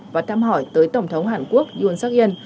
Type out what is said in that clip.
và thăm hỏi tới tổng thống hàn quốc yoon seok hyun